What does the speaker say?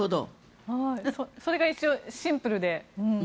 それがシンプルで。